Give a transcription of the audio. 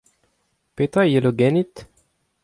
Petra a yelo ganit ?